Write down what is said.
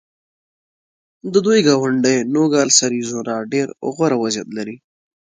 د دوی ګاونډی نوګالس اریزونا ډېر غوره وضعیت لري.